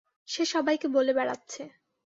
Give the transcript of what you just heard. সে সবাইকে বলে বেড়াচ্ছে।